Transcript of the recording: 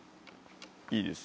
いいです。